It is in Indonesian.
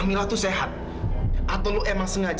kamila harus datang dengan baik